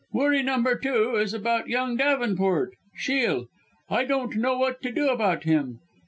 Worry number two is about young Davenport Shiel. I don't know what to do about him.